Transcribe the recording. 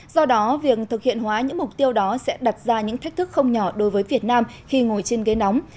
do đó việc thực hiện hóa những mục tiêu đó sẽ đặt ra những thách thức không nhỏ đối với việt nam khi ngồi trên ghế nóng